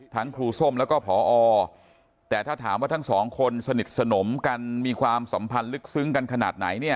ทั้งครูส้มแล้วก็พอแต่ถ้าถามว่าทั้งสองคนสนิทสนมกันมีความสัมพันธ์ลึกซึ้งกันขนาดไหนเนี่ย